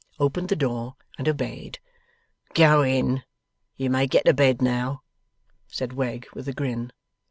opened the door and obeyed. 'Go in. You may get to bed now,' said Wegg, with a grin.